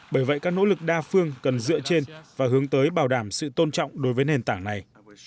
bởi vậy các nỗ lực đa phương cần dựa trên và hướng tới bảo đảm sự tôn trọng đối với nền tảng này